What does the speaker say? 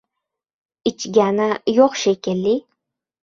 —Ichgani yo‘q shekilli.